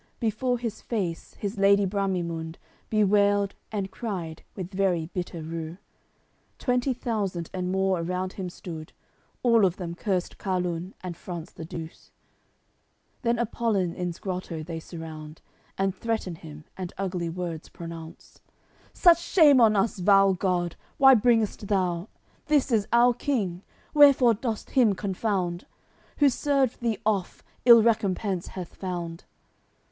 Before his face his lady Bramimunde Bewailed and cried, with very bitter rue; Twenty thousand and more around him stood, All of them cursed Carlun and France the Douce. Then Apollin in's grotto they surround, And threaten him, and ugly words pronounce: "Such shame on us, vile god!, why bringest thou? This is our king; wherefore dost him confound? Who served thee oft, ill recompense hath found."